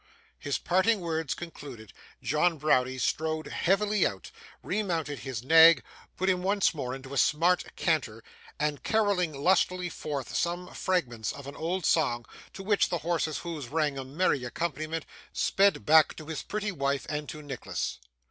His parting words concluded, John Browdie strode heavily out, remounted his nag, put him once more into a smart canter, and, carolling lustily forth some fragments of an old song, to which the horse's hoofs rang a merry accompaniment, sped back to his pretty wife and to Nicholas.